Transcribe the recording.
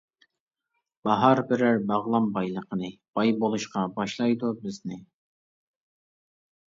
باھار بېرەر باغلام بايلىقنى، باي بولۇشقا باشلايدۇ بىزنى.